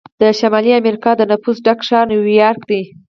د شمالي امریکا د نفوسو ډک ښار نیویارک دی.